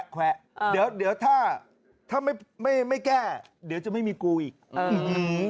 แวะเดี๋ยวถ้าไม่แก้เดี๋ยวจะไม่มีกูอีก